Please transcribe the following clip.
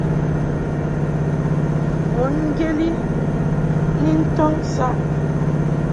Bùn ŋgyet i ni ntɔŋ saʼ.